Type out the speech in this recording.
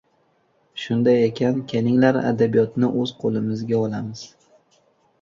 — Shunday ekan, kelinglar, adabiyotni o‘z qo‘limizga olamiz!